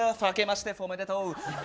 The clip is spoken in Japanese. あけましておめでとう。